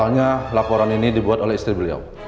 soalnya laporan ini dibuat oleh istri beliau